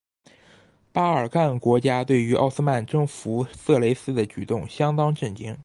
巴尔干国家对于奥斯曼征服色雷斯的举动相当震惊。